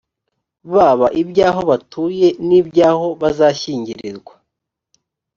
baba iby aho batuye n iby aho bazashyingirirwa